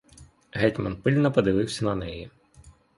Гетьман пильно подивився на неї.